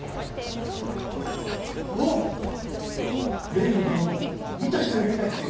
例のドローン見た人いるみたいっすよ。